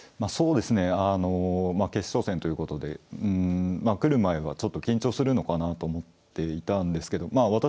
あのまあ決勝戦ということでうんまあ来る前はちょっと緊張するのかなと思っていたんですけどまあ